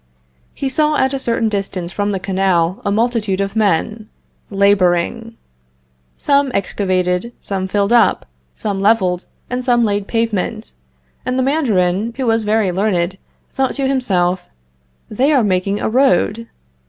He saw at a certain distance from the canal a multitude of men laboring. Some excavated, some filled up, some leveled, and some laid pavement, and the Mandarin, who was very learned, thought to himself: They are making a road.